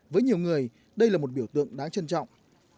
với nhiều người đây là một biểu tượng đáng trân trọng